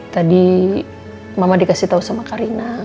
tadi mama dikasih tahu sama karina